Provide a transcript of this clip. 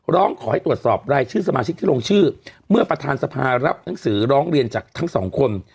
ร้องขอให้ตรวจสอบรายชื่อสมาชิกที่ลงชื่อเมื่อประธานสภารับหนังสือร้องเรียนจากทั้งสองคน